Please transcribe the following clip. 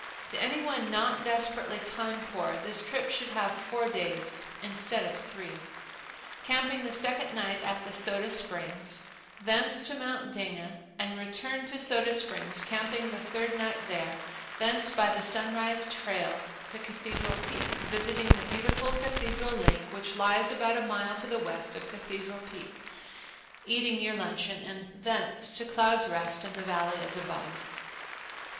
To any one not desperately time poor this trip should have four days instead of three; camping the second night at the Soda Springs; thence to Mount Dana and return to the Soda Springs, camping the third night there; thence by the Sunrise trail to Cathedral Peak, visiting the beautiful Cathedral lake which lies about a mile to the west of Cathedral Peak, eating your luncheon, and thence to Clouds' Rest and the Valley as above.